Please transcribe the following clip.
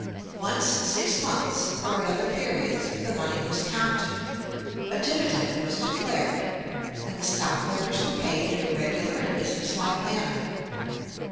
Once in six months, or at other periods, the money was counted, a dividend was declared, and the stockholders were paid in a regular and business like manner.